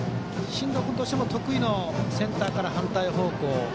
進藤君としても得意のセンターから反対方向